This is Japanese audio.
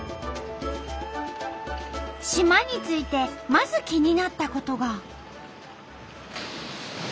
島に着いてまず気になったことが。